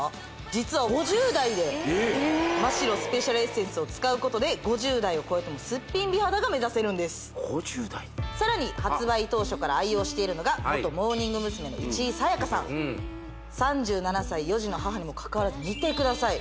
実は５０代でええっマ・シロスペシャルエッセンスを使うことで５０代を超えてもスッピン美肌が目指せるんですさらに発売当初から愛用しているのが元モーニング娘。の市井紗耶香さん３７歳４児の母にもかかわらず見てください